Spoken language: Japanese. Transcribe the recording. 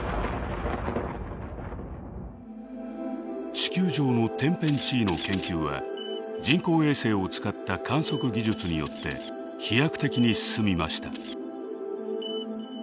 地球上の天変地異の研究は人工衛星を使った観測技術によって飛躍的に進みました。